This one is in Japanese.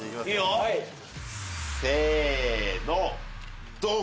よせのドン！